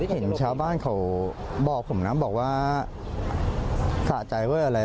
เห็นชาวบ้านเขาบอกผมนะบอกว่าสะใจว่าอะไร